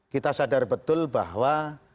kita sadar betul bahwa